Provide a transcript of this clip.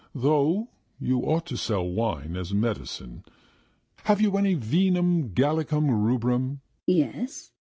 Though you ought to sell wine as a medicine. Have you any vinum gallicum rubrum?" "Yes."